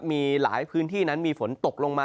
มีหลายพื้นที่นั้นมีฝนตกลงมา